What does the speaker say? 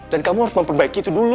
dan kamu harus memperbaiki itu dulu